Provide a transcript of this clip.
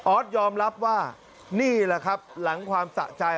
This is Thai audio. ยอมรับว่านี่แหละครับหลังความสะใจ